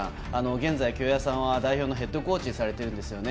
現在、京谷さんは代表のヘッドコーチをされてるんですよね。